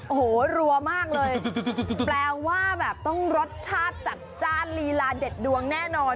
โอ้โหรัวมากเลยแปลว่าแบบต้องรสชาติจัดจ้านลีลาเด็ดดวงแน่นอน